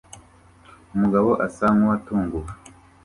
Umugabo asa nkuwatunguwe